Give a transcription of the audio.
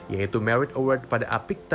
yaitu merit award pada apikta